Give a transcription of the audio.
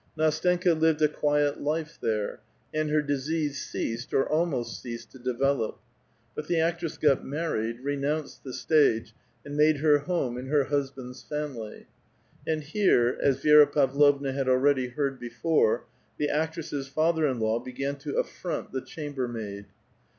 N&stenka lived a quiet life there, and her disease ceased, or almost ceased, to develop. But the actress got married, renounced the stage, and made her home in her husband's family. And here, as Vi^ra Pavlovna had already heard before, the actress's father in law began to affront the chambermaid.